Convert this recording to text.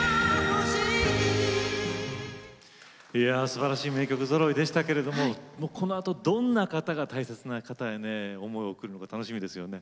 すばらしい名曲ぞろいでしたけれどもこのあとどんな方が大切な方へ思いを送るか、楽しみですね。